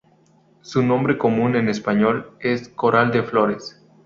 Su nombre común en español es coral de flores.